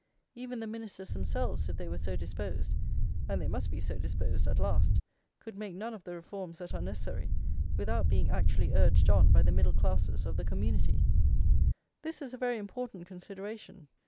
Even the Ministers themselves, if they were so disposed (and they must be so disposed at last) could make none of the reforms that are necessary, without being actually urged on by the middle classes of the community. This is a very important consideration.